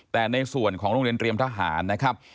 แต่ในส่วนของโรงเรียนเตรียมทหารนะครับ